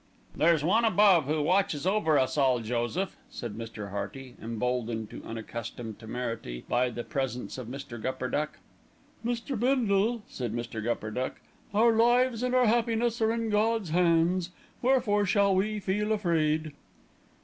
"There is One above who watches over us all, Joseph," said Mr. Hearty, emboldened to unaccustomed temerity by the presence of Mr. Gupperduck. "Mr. Bindle," said Mr. Gupperduck, "our lives and our happiness are in God's hands, wherefore should we feel afraid?"